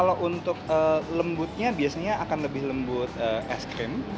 kalau untuk lembutnya biasanya akan lebih lembut es krim